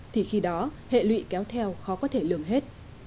thì khi đó hệ lụy kéo theo khó có thể lường hết